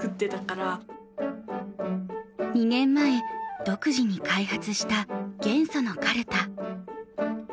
２年前独自に開発した元素のカルタ。